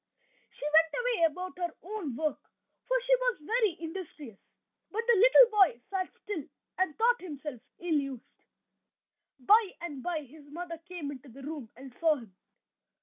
She went away about her own work, for she was very industrious; but the little boy sat still, and thought himself ill used. By and by his mother came into the room and saw him.